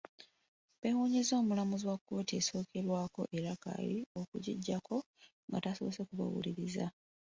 Beewuunyizza omulamuzi wa kkooti esookerwako e Rakai okugiggyako nga tasoose kubawuliriza.